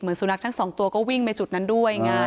สุนัขทั้งสองตัวก็วิ่งไปจุดนั้นด้วยไง